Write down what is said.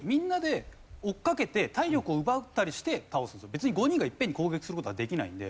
別に５人が一遍に攻撃する事はできないんで。